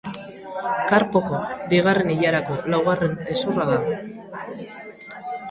Karpoko bigarren ilarako laugarren hezurra da.